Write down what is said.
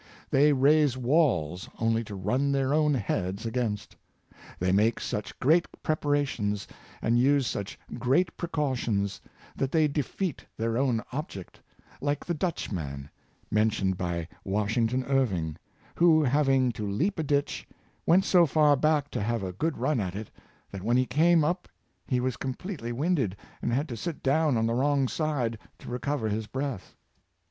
They raise walls only to run their own heads against. They make such great preparations, and use such great precautions, that they defeat their own ob ject — like the Dutchman mentioned by Washington Irv ing, who having to leap a ditch, went so far back to have 422 The Price of Success, a good run at it, that when he came up he was com pletely winded, and had to sit down on the wrong side to recover his breath.